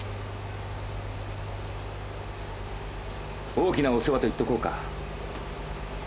大きなお世話と言っておこうか。